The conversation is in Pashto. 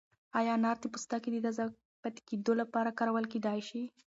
ایا انار د پوستکي د تازه پاتې کېدو لپاره کارول کیدای شي؟